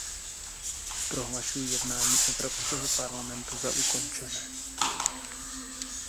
Prohlašuji jednání Evropského parlamentu za ukončené.